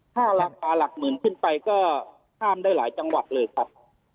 ถ้าราคาหลักหมื่นขึ้นไปก็ข้ามได้หลายจังหวัดเลยครับ